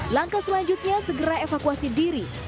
langkah selanjutnya segera evakuasi diri